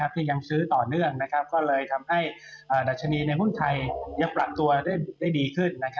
ที่ยังซื้อต่อเนื่องก็เลยทำให้ดัชนีในหุ้นไทยยังปรับตัวได้ดีขึ้น